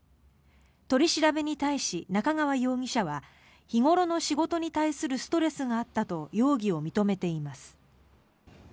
取り調べに対し、中川容疑者は日頃の仕事に対するストレスがあったと容疑を認めています。